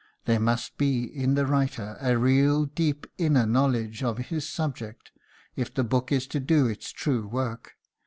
There must be in the writer a real deep inner knowledge of his subject if the book is to do its true work.